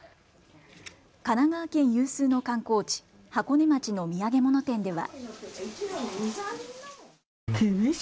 神奈川県有数の観光地、箱根町の土産物店では。